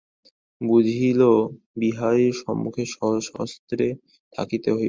বুঝিল, বিহারীর সম্মুখে সশস্ত্রে থাকিতে হইবে।